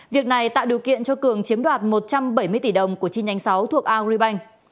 việc này tạo điều kiện cho cường chiếm đoạt một trăm bảy mươi tỷ đồng của chi nhánh sáu thuộc agribank